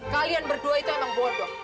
kalian berdua itu emang bodoh